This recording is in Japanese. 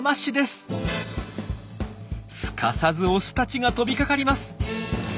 すかさずオスたちが飛びかかります。